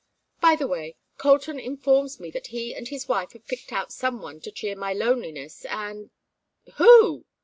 By the way, Colton informs me that he and his wife have picked out some one to cheer my loneliness and " "Who?"